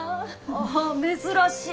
あ珍しい！